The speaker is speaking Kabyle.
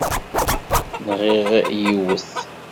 Nɣiɣ yiwet.